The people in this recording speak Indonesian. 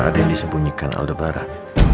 ada yang disembunyikan aldebaran